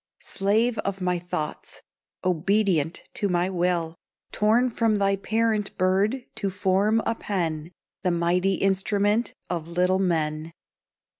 Slave of my thoughts, obedient to my will, Torn from thy parent bird to form a pen, The mighty instrument of little men!